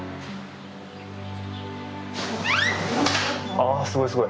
ああすごいすごい。